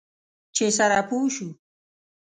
چې سره پوه شو.